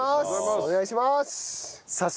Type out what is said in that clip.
お願いします！